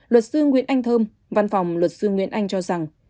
luật sư nguyễn anh thơm văn phòng luật sư nguyễn anh cho rằng